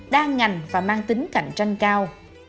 đa ngành và mang tính cạnh tranh cao